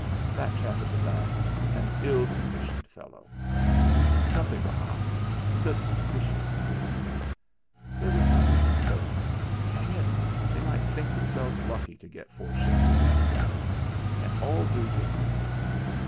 That chap at the back an ill conditioned fellow! "Something behind!" Suspicious brute! There was something but hang it! they might think themselves lucky to get four ships at that price, and all due to him!